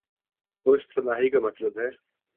پشت پناہی کامطلب ہے۔